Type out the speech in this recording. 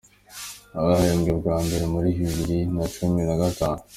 Abahembwe bwa mbere muri bibiri na cumi na gatanu